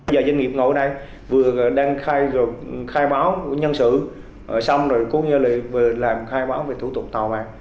giờ doanh nghiệp ngồi ở đây vừa đang khai báo nhân sự xong rồi cố gắng làm khai báo về thủ tục tàu vàng